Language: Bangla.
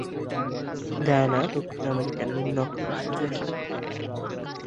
গায়ানা দক্ষিণ আমেরিকার নিম্ন অক্ষাংশে রয়েছে।